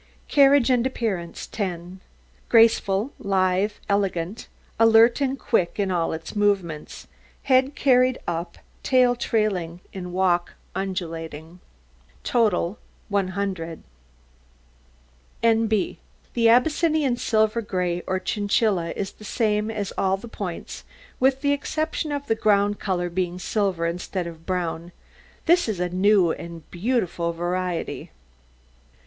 CARRIAGE AND APPEARANCE 10 Graceful, lithe, elegant, alert and quick in all its movements, head carried up, tail trailing, in walk undulating. TOTAL 100 N.B. The Abyssinian Silver Gray, or Chinchilla, is the same in all points, with the exception of the ground colour being silver instead of brown. This is a new and beautiful variety.